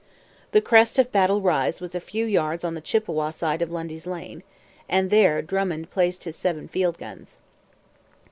The crest of Battle Rise was a few yards on the Chippawa side of Lundy's Lane; and there Drummond placed his seven field guns.